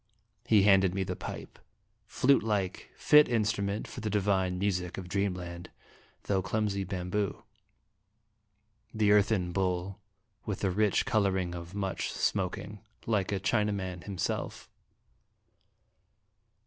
He handed me the pipe flute like, fit instru ment for the divine music of Dreamland, though clumsy bamboo the earthen bowl with the rich coloring of much smoking, like a China man himself.